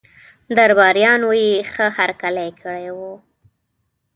درباریانو یې ښه هرکلی کړی وو.